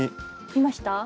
いました？